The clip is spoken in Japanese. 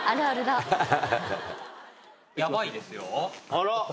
あら